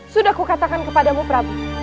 sudah kukatakan kepadamu prabu